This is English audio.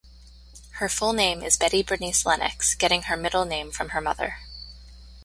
Her full name is Betty Bernice Lennox, getting her middle name from her mother.